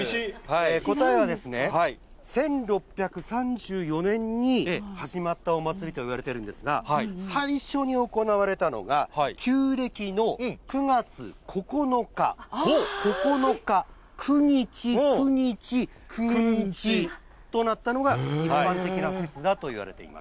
答えは、１６３４年に始まったお祭りといわれているんですが、最初に行われたのが、旧暦の９月９日、９日、くにち、くにち、くんちとなったのが、一般的な説だといわれています。